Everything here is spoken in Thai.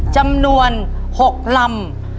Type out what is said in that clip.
จำนวน๖ลำ